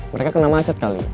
mereka kena macet kali